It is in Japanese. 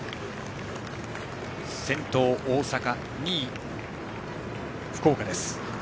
先頭、大阪２位、福岡です。